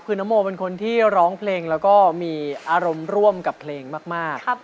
คือน้องโมเป็นคนที่ร้องเพลงแล้วก็มีอารมณ์ร่วมกับเพลงมาก